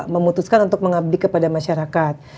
memutuskan untuk mengabdi kepada masyarakat